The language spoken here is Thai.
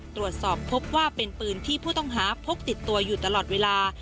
ตรวจสอบพบว่าเป็นปืนที่ผู้ต้องหาพกติดตัวอยู่ตลอดเวลา